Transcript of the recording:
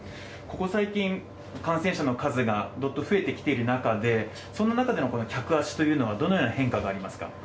ここ最近、感染者の数がどっと増えてきている中で、その中での客足というのはどのような変化がありますか